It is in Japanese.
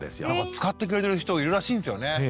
使ってくれてる人いるらしいんですよね。